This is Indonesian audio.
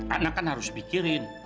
anak kan harus pikirin